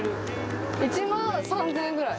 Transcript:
１万３，０００円ぐらい。